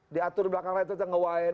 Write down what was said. diatur belakang lain itu nge wine